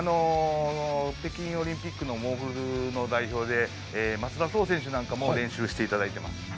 北京オリンピックのモーグルの代表で、松田選手なども使っていただいています。